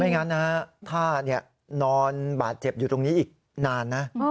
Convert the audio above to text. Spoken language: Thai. งั้นนะฮะถ้านอนบาดเจ็บอยู่ตรงนี้อีกนานนะ